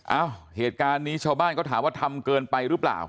เอ้าเหตุการณ์นี้ชาวบ้านก็ถามว่าทำเกินไปหรือเปล่า